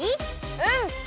うん！